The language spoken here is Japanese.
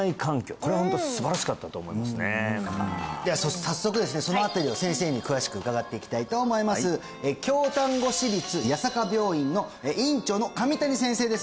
これホントすばらしかったと思いますねうんでは早速ですねその辺りを先生に詳しく伺っていきたいと思います京丹後市立弥栄病院の院長の神谷先生です